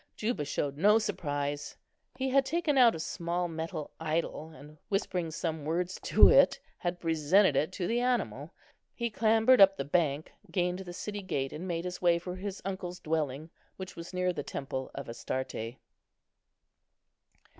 Juba showed no surprise; he had taken out a small metal idol, and whispering some words to it, had presented it to the animal. He clambered up the bank, gained the city gate, and made his way for his uncle's dwelling, which was near the temple of Astarte.